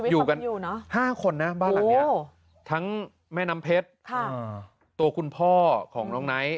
อยู่กัน๕คนนะบ้านหลังนี้ทั้งแม่น้ำเพชรตัวคุณพ่อของน้องไนท์